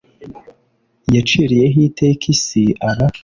yaciriyeho iteka isi aba